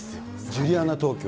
ジュリアナ東京。